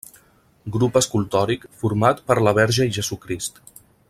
Grup escultòric format per la Verge i Jesucrist.